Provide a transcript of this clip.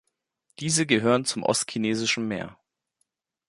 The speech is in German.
Diese gehören zum Ostchinesischen Meer.